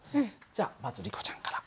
じゃまずリコちゃんから。